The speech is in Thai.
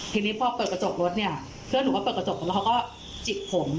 ทีนี้พอเปิดกระจกรถเนี่ยเพื่อนหนูก็เปิดกระจกแล้วเขาก็จิกผม